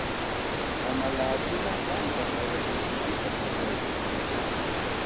Mamallakuna qampa kawayniykipita parlaykanku.